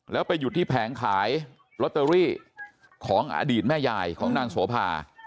แล้วไปหยุดที่แผงขายลอตเตอรี่ของอดีตแม่ยายของนางโสภา